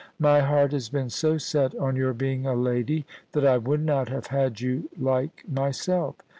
My heart has been so set on your being a lady that I would not have had you like myself.